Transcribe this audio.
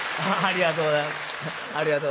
ありがとうございます。